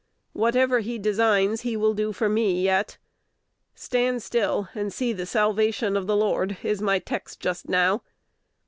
Whatever he designs, he will do for me yet. "Stand still, and see the salvation of the Lord" is my text just now.